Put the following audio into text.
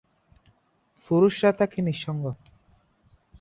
পুরুষরা থাকে নিঃসঙ্গ।